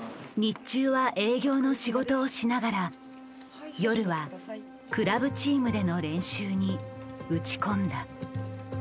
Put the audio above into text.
日中は営業の仕事をしながら夜はクラブチームでの練習に打ち込んだ。